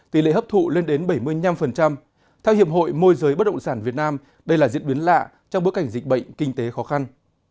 theo hiệp hội môi giới bất động sản việt nam đây là diễn biến lạ trong bối cảnh dịch bệnh kinh tế khó khăn